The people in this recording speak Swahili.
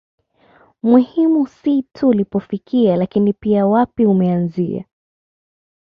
Muhimu si tu ulipofika lakini pia wapi umeanzia